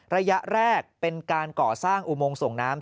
ระยะแรกเป็นการก่อสร้างอุโมงส่งน้ำ